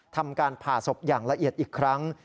ทำการผ่าศพอย่างละเอียดอีกครั้ง